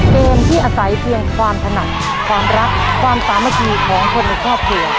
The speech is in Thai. เกมที่อาศัยเพียงความถนัดความรักความสามัคคีของคนในครอบครัว